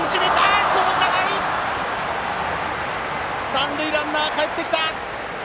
三塁ランナーかえってきた！